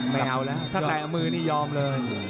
ไม่เอาละถ้าแตะมือพวกมันยอมเลย